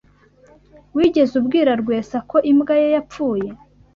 Wigeze ubwira Rwesa ko imbwa ye yapfuye?